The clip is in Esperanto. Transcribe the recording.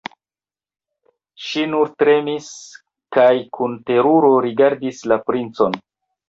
Ŝi nur tremis kaj kun teruro rigardis la princon.